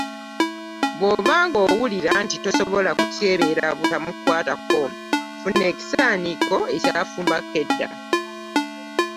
Bw’oba ng’owulira nti tosobola kukyebeera butamukwatako, funa ekisaaniiko ekyafumbako edda.